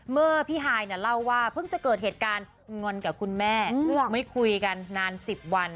เมื่อพี่ฮายเล่าว่าเพิ่งจะเกิดเหตุการณ์งอนกับคุณแม่ไม่คุยกันนาน๑๐วัน